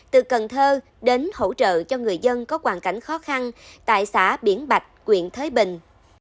từ cần thơ đến hỗ trợ cho người dân có hoàn cảnh khó khăn tại xã biển bạch quyện thới bình